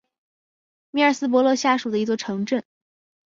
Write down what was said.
米尔斯伯勒下属的一座城镇。